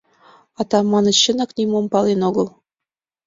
Атаманыч чынак нимом пален огыл.